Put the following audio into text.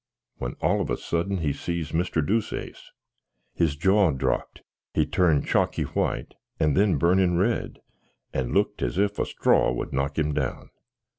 when, all of a sudden, he sees Mr. Deuceace: his jor dropt, he turned chocky white, and then burnin red, and iooked as if a stror would knock him down.